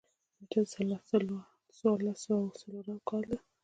نېټه د څوارلس سوه څلورم کال ده.